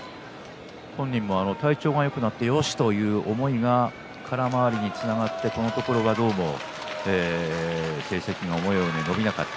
本人は体調がよくなってよしという思いが空回りにつながってこのところは成績が思うように出なかった